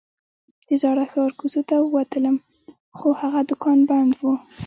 د زاړه ښار کوڅو ته ووتلم خو هغه دوکان بند و.